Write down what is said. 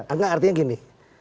ada artinya gini